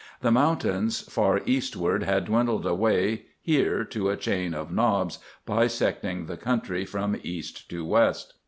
The mountains far eastward had dwindled away here to a chain of knobs, bisecting the country from east to west.